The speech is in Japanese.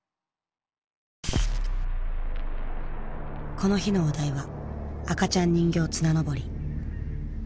この日のお題は「赤ちゃん人形綱登り」。